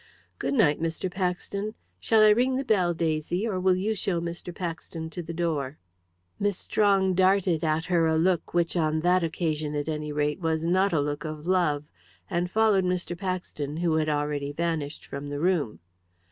"Good night, Mr. Paxton. Shall I ring the bell, Daisy, or will you show Mr. Paxton to the door?" Miss Strong darted at her a look which, on that occasion at any rate, was not a look of love, and followed Mr. Paxton, who already had vanished from the room.